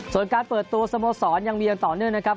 ส่วนการเปิดตัวสโมสรยังมีอย่างต่อเนื่องนะครับ